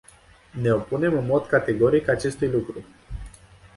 Ne opunem în mod categoric acestui lucru!